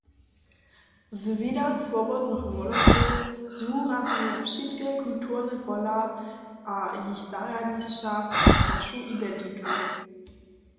Z wida Swobodnych wolerjow zwuraznjeja wšitke kulturne pola a jich zarjadnišća našu identitu.